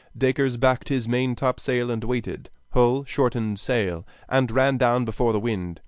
Dacres backed his main topsail and waited. Hull shortened sail, and ran down before the wind.